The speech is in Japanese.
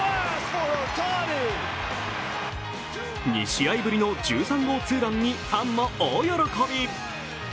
２試合ぶりの１３号ツーランにファンも大喜び。